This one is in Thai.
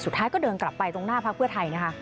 สุดท้ายก็เดินกลับไปตรงหน้าพักเพื่อไทยนะคะ